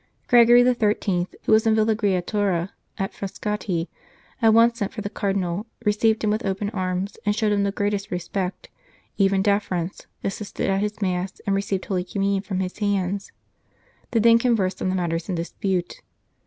Gregory XIII., who was in villegiatura at Fras cati, at once sent for the Cardinal, received him with open arms, and showed him the greatest respect, even deference, assisted at his Mass, and received Holy Communion from his hands. They then conversed on the matters in dispute.